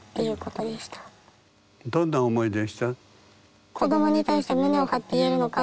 どんな思いでした？